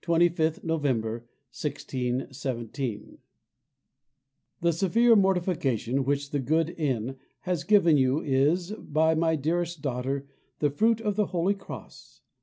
ANNECY, 25th November, 1617. This severe mortification which the good N. has given you is, my dearest daughter, the fruit of the holy cross.